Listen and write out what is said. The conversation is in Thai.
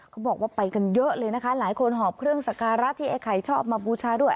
เขาบอกว่าไปกันเยอะเลยนะคะหลายคนหอบเครื่องสการะที่ไอ้ไข่ชอบมาบูชาด้วย